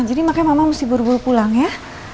jadi makanya mama mesti buru buru pulang ya